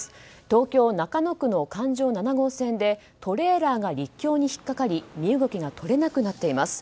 東京・中野区の環状７号線でトレーラーが陸橋に引っ掛かり身動きが取れなくなっています。